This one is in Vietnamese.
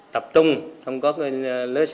tập trung chỉ đoạn cốt lực lượng công an toàn tỉnh